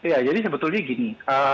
ya jadi sebetulnya gini